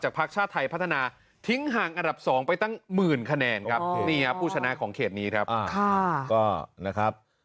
ใช้ต้องใช้ต้องใช้ต้องใช้ต้องใช้ต้องใช้ต้องใช้ต้องใช้ต้องใช้ต้องใช้ต้อง